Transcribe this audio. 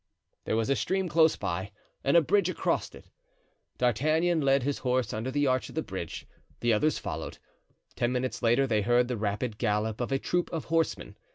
There was a stream close by and a bridge across it. D'Artagnan led his horse under the arch of the bridge. The others followed. Ten minutes later they heard the rapid gallop of a troop of horsemen.